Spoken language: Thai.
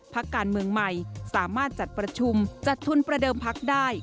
พักการเมืองใหม่สามารถจัดประชุมจัดทุนประเดิมพักได้